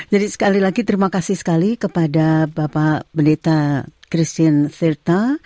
jadi sekali lagi terima kasih sekali kepada bapak pendeta christine sirta